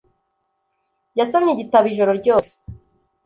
Yasomye igitabo ijoro ryose .